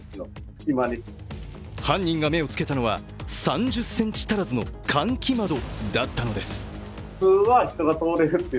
犯人が目をつけたのは３０ｃｍ足らずの換気窓だったのです。